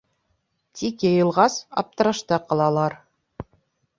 Тик йыйылғас, аптырашта ҡалалар.